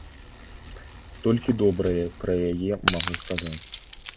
Толькі добрае пра яе магу сказаць.